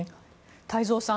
太蔵さん